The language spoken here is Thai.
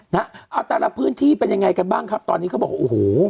เอาแต่ละพื้นที่เป็นยังไงกันบ้างครับตอนนี้เขาบอกโอ้โห